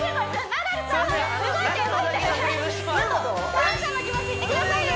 感謝の気持ち言ってくださいよ